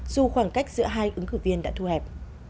dù khoảng cách giữa hai ứng cử viên đã thu hẹp